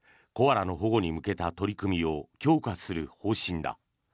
コアラの保護に向けた取り組みを強化する方針だ。